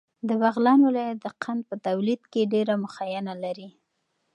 د بغلان ولایت د قند په تولید کې ډېره مخینه لري.